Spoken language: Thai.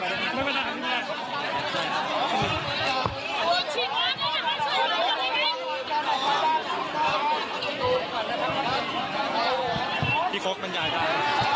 การเดินหน้านะครับ